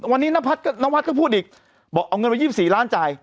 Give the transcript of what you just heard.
วันนี้นพัฒน์ก็พูดอีกบอกเอาเงินมา๒๔ล้านจ่าย